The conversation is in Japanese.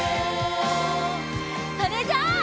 それじゃあ。